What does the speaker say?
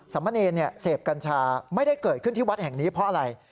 มะเนรเสพกัญชาไม่ได้เกิดขึ้นที่วัดแห่งนี้เพราะอะไร